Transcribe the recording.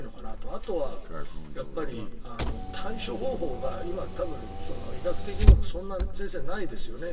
あとは対処方法が今、多分、医学的にもそんなに先生、ないですよね。